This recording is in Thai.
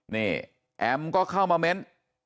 นี่แอมก็เข้ามาเม้น